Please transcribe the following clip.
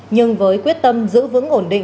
nhưng với quyết tâm giữ vững ổn định